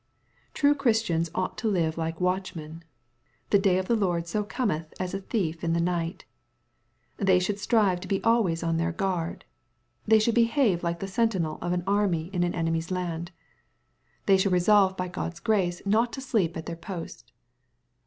True Christians ought to live like watchmen. The day of the Lord so cometh as a tliief in the night. They should strive to be always on their guard. They should behave like the sentinel of an army in an enemy's land« MATTHEW, CHAP. XXIV. 829 They should resolve by God's grace not to sleep at theii post.